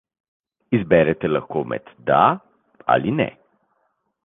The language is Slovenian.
Izberete lahko med da ali ne.